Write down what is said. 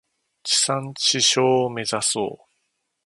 地産地消を目指そう。